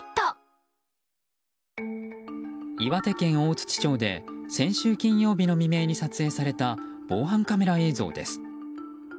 岩手県大槌町で先週金曜日の未明に撮影された防犯カメラ映像です。